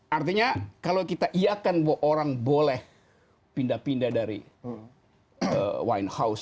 artinya kalau kita iakan bahwa orang boleh pindah pindah dari wine house